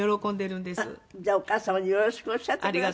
じゃあお母様によろしくおっしゃってくださいね。